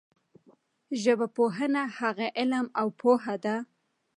ژبپوهنه هغه علم او پوهه ده